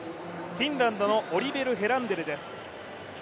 フィンランドのオリベル・ヘランデルです。